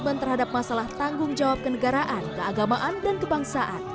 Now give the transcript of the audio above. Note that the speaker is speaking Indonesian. korban terhadap masalah tanggung jawab kenegaraan keagamaan dan kebangsaan